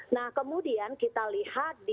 nah kemudian kita lihat di